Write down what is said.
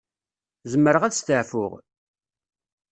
Zemreɣ ad steɛfuɣ?